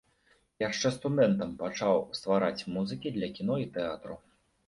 Яшчэ студэнтам пачаў ствараць музыкі для кіно і тэатру.